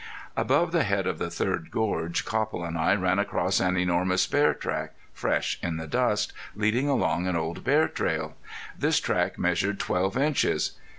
Above the head of the third gorge Copple and I ran across an enormous bear track, fresh in the dust, leading along an old bear trail. This track measured twelve inches.